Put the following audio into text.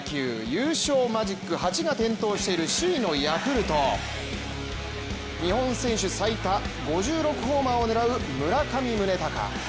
優勝マジック８が点灯している首位のヤクルト、日本選手最多５６ホーマーを狙う村上宗隆。